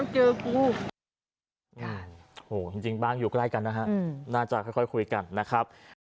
จริงบ้านอยู่ใกล้กันนะฮะน่าจะค่อยคุยกันนะครับ